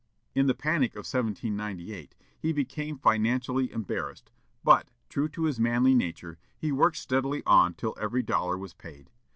In the panic of 1798, he became financially embarrassed, but, true to his manly nature, he worked steadily on till every dollar was paid.